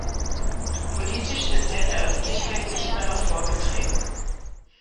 Politisch ist er in der Öffentlichkeit nicht mehr hervorgetreten.